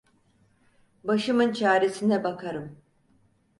Başımın çaresine bakarım.